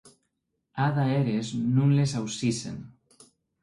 Ada eres non les aucissen.